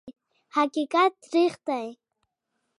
حقیقت تریخ دی .